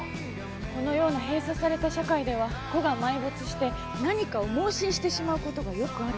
このような閉鎖された社会では個が埋没して何かを妄信してしまう事がよくあるそうです。